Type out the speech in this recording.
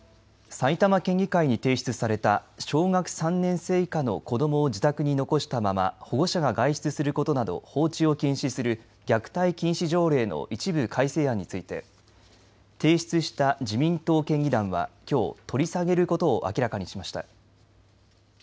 埼玉県議会に提出された小学３年生以下の子どもを自宅に残したまま保護者が外出することなど放置を禁止する虐待禁止条例の一部改正案について提出した自民党県議団はきょう取り下げることを明らかにしました。